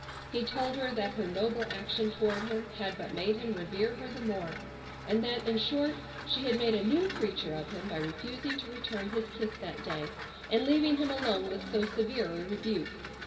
He told her that her noble action toward him had but made him revere her the more, and that, in short, she had made a new creature of him by refusing to return his kiss that day, and leaving him alone with so severe a rebuke.